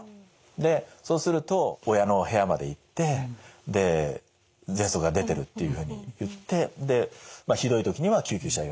でそうすると親の部屋まで行ってで「ぜんそくが出てる」っていうふうに言ってでまあひどい時には救急車呼んでとか。